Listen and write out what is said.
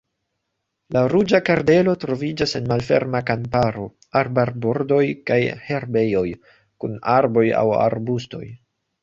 La Ruĝa kardelo troviĝas en malferma kamparo, arbarbordoj kaj herbejoj kun arboj aŭ arbustoj.